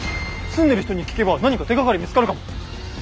住んでる人に聞けば何か手がかり見つかるかも。